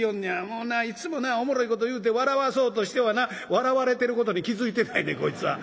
もうないつもなおもろいこと言うて笑わそうとしてはな笑われてることに気付いてないねんこいつは。